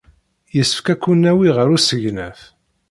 Yessefk ad ken-nawi ɣer usegnaf.